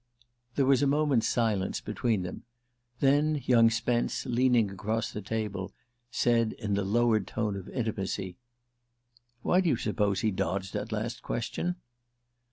There was a moment's silence between them; then young Spence, leaning across the table, said in the lowered tone of intimacy: "Why do you suppose he dodged that last question?"